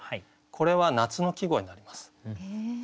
これは夏の季語になります。